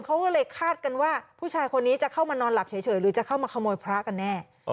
เขาก็เลยคาดกันว่าผู้ชายคนนี้จะเข้ามานอนหลับเฉยหรือจะเข้ามาขโมยพระกันแน่